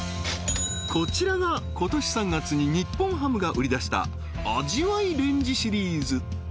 こちらが今年３月に日本ハムが売り出したあじわいレンジシリーズ